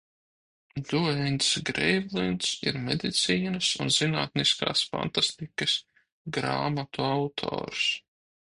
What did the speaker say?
Dueins Greivlins ir medicīnas un zinātniskās fantastikas grāmatu autors.